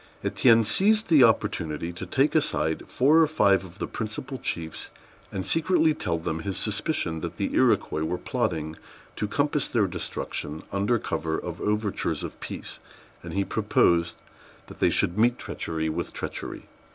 Étienne seized the opportunity to take aside four or five of the principal chiefs, and secretly tell them his suspicions that the Iroquois were plotting to compass their destruction under cover of overtures of peace; and he proposed that they should meet treachery with treachery.